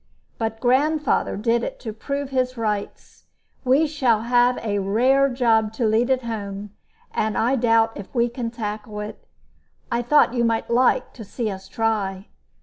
But grandfather did it to prove his rights. We shall have a rare job to lead it home, and I doubt if we can tackle it. I thought you might like to see us try."